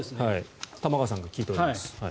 玉川さんが聞いております。